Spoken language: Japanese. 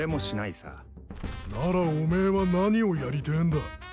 ならお前は何をやりてえんだ。